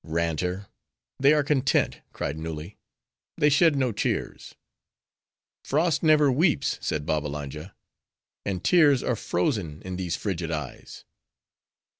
"Ranter! they are content," cried Nulli. "They shed no tears." "Frost never weeps," said Babbalanja; "and tears are frozen in those frigid eyes."